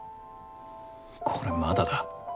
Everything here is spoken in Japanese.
これまだだ。